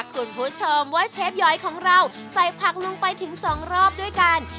คุณผู้ชมว่าเชฟย้อยของเราใส่ผักลงไปถึง๒รอบด้วยกัน